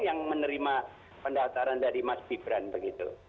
yang menerima pendaftaran dari mas gibran begitu